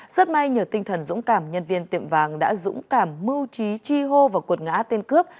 rất may nhờ tinh thần dũng cảm nhân viên tiệm vàng đã dũng cảm mưu trí chi hô và cuột ngã tên cướp